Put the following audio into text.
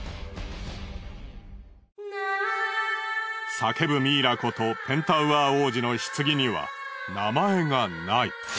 叫ぶミイラことペンタウアー王子の棺には名前がない。